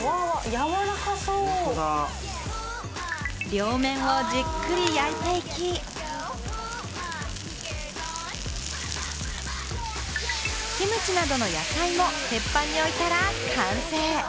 両面をじっくり焼いていき、キムチなどの野菜も鉄板に置いたら完成。